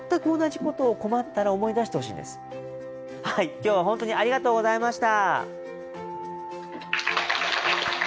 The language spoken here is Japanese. きょうは本当にありがとうございました。